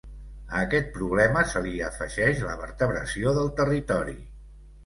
A aquest problema se li afegeix la vertebració del territori.